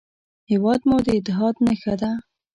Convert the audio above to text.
هېواد مو د اتحاد نښه ده